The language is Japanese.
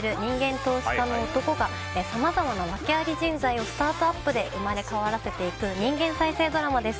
投資家の男がさまざまな訳あり人材をスタートアップで生まれ変わらせていく人間再生ドラマです。